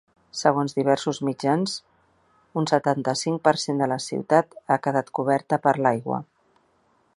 Segons diversos mitjans, un setanta-cinc per cent de la ciutat ha quedat coberta per l’aigua.